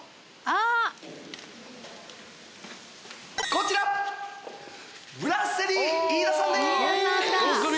こちらブラッセリー・イイダさんです。